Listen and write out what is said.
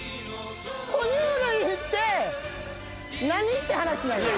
「哺乳類って何？」って話なんよ。